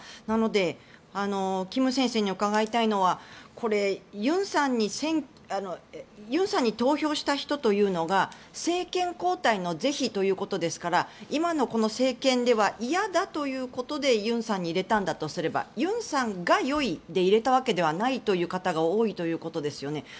なので、金先生に伺いたいのはこれはユンさんに投票した人というのが政権交代の是非ということですから今の政権ではいやだということでユンさんに入れたんだとすればユンさんが良いで入れたわけではないという方が多いということですよね。